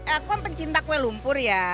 aku kan pencinta kue lumpur ya